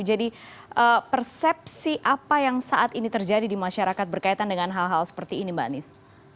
jadi persepsi apa yang saat ini terjadi di masyarakat berkaitan dengan hal hal seperti ini mbak anies